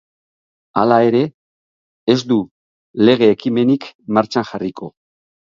Hala ere, ez du lege-ekimenik martxan jarriko.